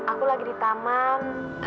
aku lagi di taman